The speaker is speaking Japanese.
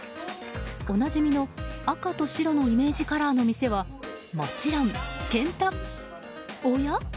おなじみの赤と白のイメージカラーの店はもちろん、ケンタッおや？